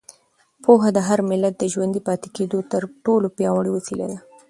پوهه د هر ملت د ژوندي پاتې کېدو تر ټولو پیاوړې وسیله ده.